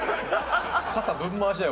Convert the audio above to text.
肩ぶん回しだよ